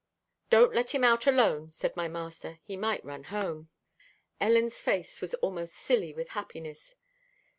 "Don't let him out alone," said my master, "he might run home." Ellen's face was almost silly with happiness.